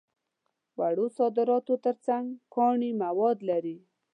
وړو صادراتو تر څنګ کاني مواد لري.